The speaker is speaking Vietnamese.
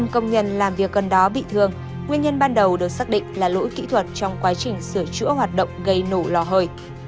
một mươi công nhân làm việc gần đó bị thương nguyên nhân ban đầu được xác định là lỗi kỹ thuật trong quá trình sửa chữa hoạt động gây nổ lò hơi